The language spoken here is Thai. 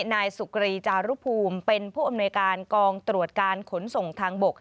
นายสุกรีจารุภูมิเป็นผู้อำนวยการกองตรวจการขนส่งทางบก